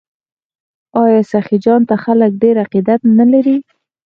آیا سخي جان ته خلک ډیر عقیدت نلري؟